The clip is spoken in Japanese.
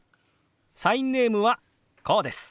サインネームはこうです。